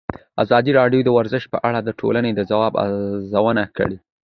ازادي راډیو د ورزش په اړه د ټولنې د ځواب ارزونه کړې.